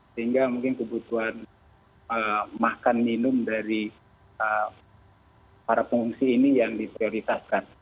sehingga mungkin kebutuhan makan minum dari para pengungsi ini yang diprioritaskan